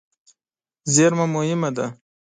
زېرمه مهمه ده.